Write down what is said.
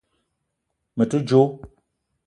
Me te djo